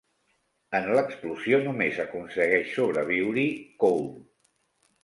En l'explosió només aconsegueix sobreviure-hi Cole.